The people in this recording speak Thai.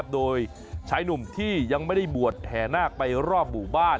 โดยชายหนุ่มที่ยังไม่ได้บวชแห่นาคไปรอบหมู่บ้าน